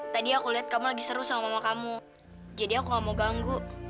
tadi aku lihat kamu lagi seru sama mama kamu jadi aku gak mau ganggu